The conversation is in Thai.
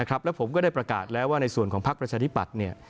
แล้วผมก็ได้ประกาศแล้วว่าในส่วนของพักประชาธิปัตย์